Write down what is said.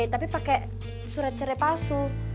tapi pake surat cerai palsu